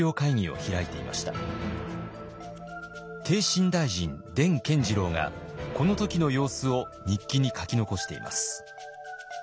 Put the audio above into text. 逓信大臣田健治郎がこの時の様子を日記に書き残しています。